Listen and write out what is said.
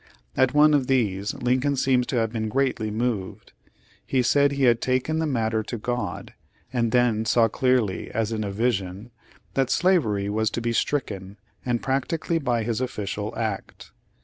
At one of these Lincoln seems to have been greatly moved. He said he had taken the matter to God, and then saw clearly, as in a vision, that slavery was to be stricken, and practically by his official act.'